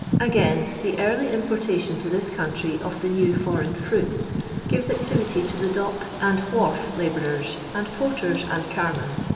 Again, the early im portation to tfaitt countrj' of the new foreign fruits gives activity to the dock and wharf labourers and porler:»and carmen.